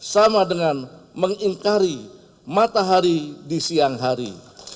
sama dengan mengingkari matahari di siang hari